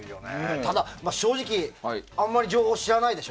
ただ、正直あまり情報知らないでしょ。